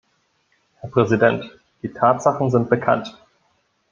Herr Präsident! Die Tatsachen sind bekannt.